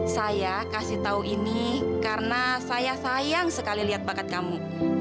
saya kasih tahu ini karena saya sayang sekali lihat bakat kamu